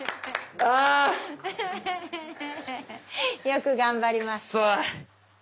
よく頑張りました。